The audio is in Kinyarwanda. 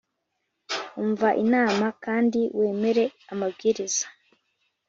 umva inama kandi wemere amabwiriza,